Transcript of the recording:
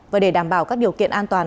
và để đảm bảo các điều kiện an toàn